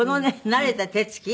慣れた手付き。